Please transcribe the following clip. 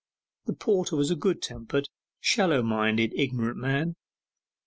The porter was a good tempered, shallow minded, ignorant man.